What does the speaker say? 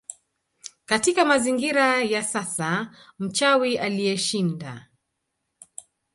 Katika mazingira ya sasa mchawi aliyeshind